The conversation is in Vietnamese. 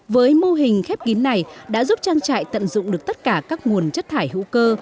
với mô hình khép kín này đã giúp trang trại tận dụng được tất cả các nguồn chất thải hữu cơ